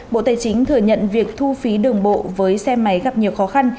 bộ tài chính thừa nhận việc thu phí đường bộ với xe máy gặp nhiều khó khăn